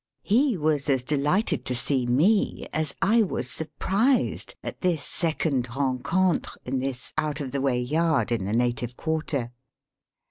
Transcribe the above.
He was as deHghted to see me as I was surprised at this second rencontre, in this out of the way yard in the native quarter.